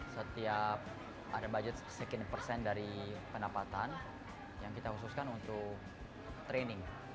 setiap ada budget sekian persen dari pendapatan yang kita khususkan untuk training